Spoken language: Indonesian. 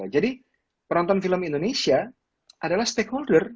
jadi penonton film indonesia adalah stakeholder